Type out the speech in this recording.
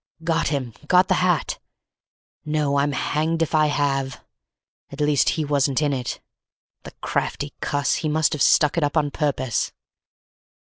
"Got him—got the hat! No, I'm hanged if I have; at least he wasn't in it. The crafty cuss, he must have stuck it up on purpose.